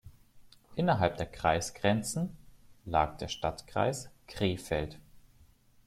Innerhalb der Kreisgrenzen lag der Stadtkreis Krefeld.